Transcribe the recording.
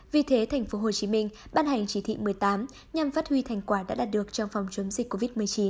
vì thế tp hcm ban hành chỉ thị một mươi tám nhằm phát huy thành quả đã đạt được trong phòng chống dịch covid một mươi chín